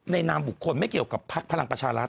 นามบุคคลไม่เกี่ยวกับพักพลังประชารัฐ